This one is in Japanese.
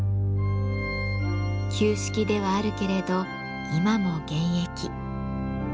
旧式ではあるけれど今も現役。